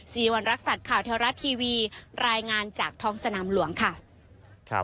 สิริวัณรักษัตริย์ข่าวเทวรัฐทีวีรายงานจากท้องสนามหลวงค่ะ